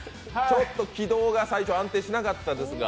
ちょっと軌道が最初安定しなかったですが。